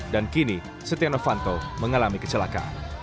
dan kini setia nevanto mengalami kecelakaan